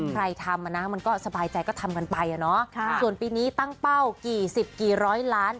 ใครทำอ่ะนะมันก็สบายใจก็ทำกันไปอ่ะเนาะส่วนปีนี้ตั้งเป้ากี่สิบกี่ร้อยล้าน